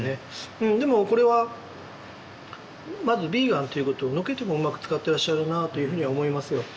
うんでもこれはまずヴィーガンっていうことをのけてもうまく使ってらっしゃるなというふうには思いますよ